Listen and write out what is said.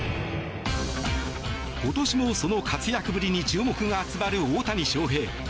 今年もその活躍ぶりに注目が集まる大谷翔平。